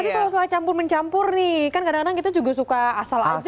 tapi kalau soal campur mencampur nih kan kadang kadang kita juga suka asal aja